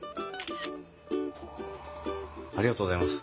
ありがとうございます。